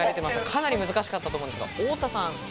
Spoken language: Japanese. かなり難しかったと思うんですが。